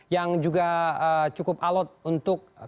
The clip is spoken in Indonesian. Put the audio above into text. yang juga cukup alot untuk kepentingan prabowo